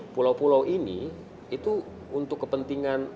pulau pulau ini itu untuk kepentingan